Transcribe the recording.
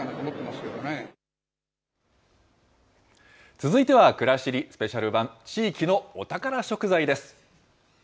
続いてはくらしりスペシャル版、地域のお宝食材です。